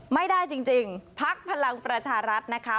ไม่ได้จริงพักพลังประชารัฐนะคะ